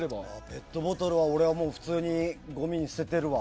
ペットボトルは俺は普通にごみに捨ててるわ。